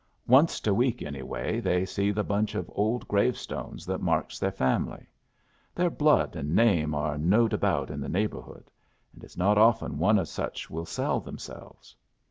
Onced a week anyway they see the bunch of old grave stones that marks their fam'ly. Their blood and name are knowed about in the neighborhood, and it's not often one of such will sell themselves.